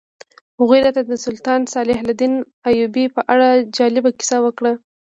هغوی راته د سلطان صلاح الدین ایوبي په اړه جالبه کیسه وکړه.